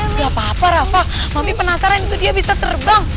nggak papa rafa mami penasaran itu dia bisa terbang